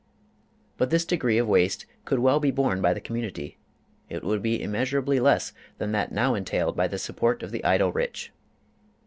But this degree of waste could well be borne by the community; it would be immeasurably less than that now entailed by the support of the idle rich.